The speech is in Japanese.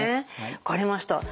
分かりました。